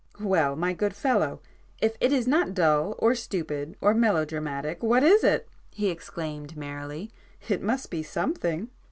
"Well, my good fellow, if it is not dull or stupid or melodramatic, what is it!" he exclaimed merrily—"It must be something!"